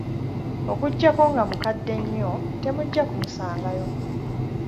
Okuggyako nga mukedde nnyo, temujja kumusangayo.